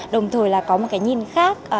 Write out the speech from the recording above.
đồng thời có một nhìn khác